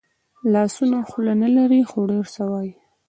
لاسونه خوله نه لري خو ډېر څه وايي